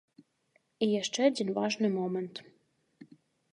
І яшчэ адзін важны момант.